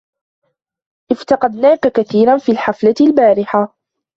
افتقدناكَ كثيراً في الحفلة البارحة